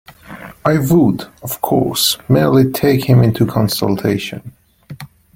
I would, of course, merely take him into consultation.